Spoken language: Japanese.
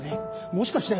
もしかして。